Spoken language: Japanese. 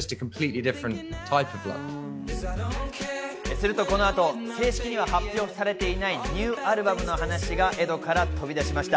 するとこの後、正式には発表されていないニューアルバムの話がエドから飛び出しました。